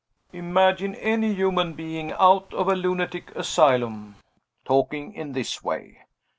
Imagine any human being, out of a lunatic asylum, talking in this way.